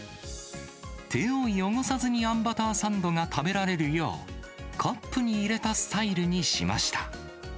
手を汚さずにあんバターサンドが食べられるよう、カップに入れたスタイルにしました。